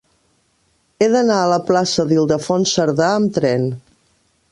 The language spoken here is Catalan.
He d'anar a la plaça d'Ildefons Cerdà amb tren.